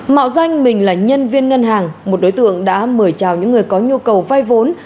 mạo danh mình là nhân viên ngân hàng một đối tượng đã mời chào những người có nhu cầu vay vốn